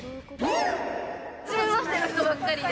はじめましての人ばっかりで。